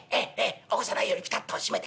起こさないようにピタッと戸締めて。